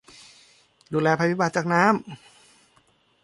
ดูแลภัยพิบัติจากน้ำ